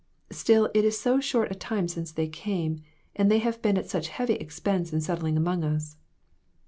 Still it is so short a time since they came ; and they have been at such heavy expense in settling among us.